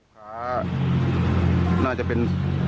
ค่ะน่าจะเป็น